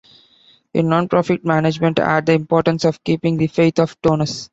In nonprofit management, add the importance of keeping the faith of donors.